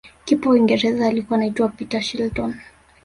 kipa wa uingereza alikuwa anaitwa peter shilton